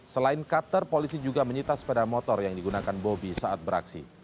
selain cutter polisi juga menyita sepeda motor yang digunakan bobi saat beraksi